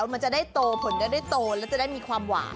มันจะได้โตผลจะได้โตแล้วจะได้มีความหวาน